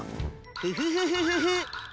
フフフフフフ！